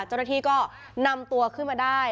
เจ้าหน้าที่ก็นำตัวขึ้นมาได้